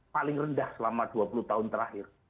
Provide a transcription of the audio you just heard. paling rendah selama dua puluh tahun terakhir